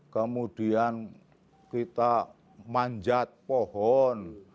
kemudian kita manjat pohon